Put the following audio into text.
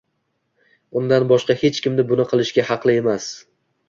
Undan boshqa hech kim buni qilishga haqli emas.